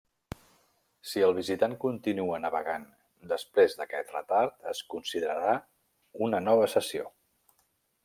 Si el visitant continua navegant després d'aquest retard, es considerarà com una nova sessió.